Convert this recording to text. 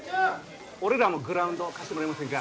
俺らもグラウンド貸してもらえませんか？